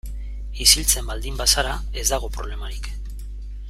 Isiltzen baldin bazara ez dago problemarik.